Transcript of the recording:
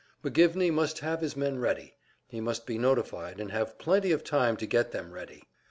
McGivney must have his men ready; he must be notified and have plenty of time to get them ready.